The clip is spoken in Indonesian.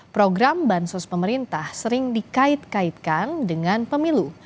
program bansos pemerintah sering dikait kaitkan dengan pemilu